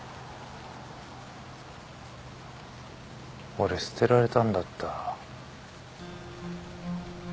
俺捨てられたんだった。